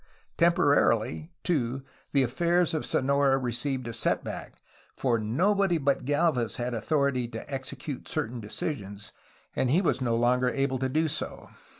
Temporarily, too, the affairs of Sonora received a set back, for nobody but Galvez had authority to execute certain decisions, and he was no longer able to do so.